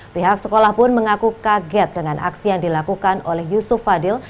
pihak sekolah pun mengaku kaget dengan aksi yang dilakukan oleh yusuf fadil